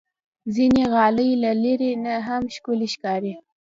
ځینې غالۍ له لرې نه هم ښکلي ښکاري.